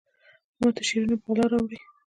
ماته شعرونه په غلا راوړي